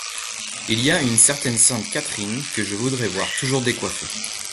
Il y a une certaine sainte Catherine que je voudrais voir toujours décoiffée.